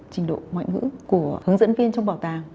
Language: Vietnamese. trình độ ngoại ngữ của hướng dẫn viên trong bảo tàng